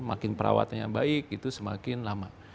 makin perawatan yang baik itu semakin lama